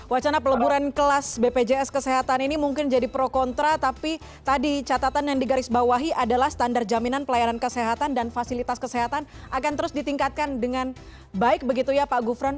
wacana peleburan kelas bpjs kesehatan ini mungkin jadi pro kontra tapi tadi catatan yang digarisbawahi adalah standar jaminan pelayanan kesehatan dan fasilitas kesehatan akan terus ditingkatkan dengan baik begitu ya pak gufron